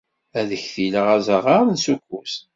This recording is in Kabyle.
Ad ktileɣ aẓaɣar n Sukut.